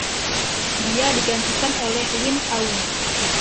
Dia digantikan oleh Win Aung.